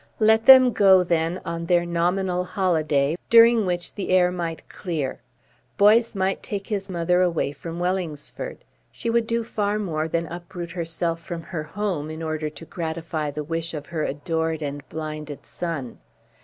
Let them go, then, on their nominal holiday, during which the air might clear. Boyce might take his mother away from Wellingsford. She would do far more than uproot herself from her home in order to gratify a wish of her adored and blinded son.